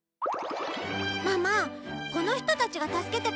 ママこの人たちが助けてくれたんだよ。